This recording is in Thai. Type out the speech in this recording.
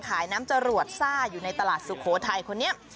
ขายน้ำจรวดซ่าอยู่ในตลาดสุโขทัยคนนี้